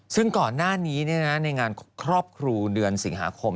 ซึ่งก่อนหน้านี้ในงานครอบครูเดือนสิงหาคม